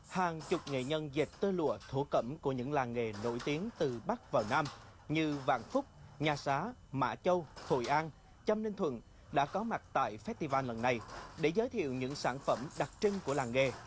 hàng chục nghệ nhân dệt tơ lụa thổ cẩm của những làng nghề nổi tiếng từ bắc vào nam như vạn phúc nha xá mã châu hội an châm ninh thuận đã có mặt tại festival lần này để giới thiệu những sản phẩm đặc trưng của làng nghề